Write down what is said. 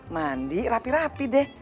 mandi rapi rapi deh